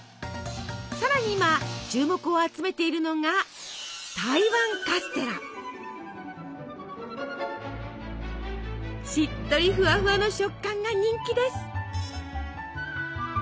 更に今注目を集めているのがしっとりフワフワの食感が人気です。